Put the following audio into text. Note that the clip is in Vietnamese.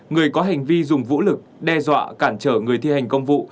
một mươi hai người có hành vi dùng vũ lực đe dọa cản trở người thi hành công vụ